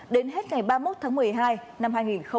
đến hết ngày ba mươi một tháng một mươi hai năm hai nghìn hai mươi